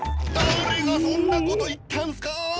誰がそんなこと言ったんすか！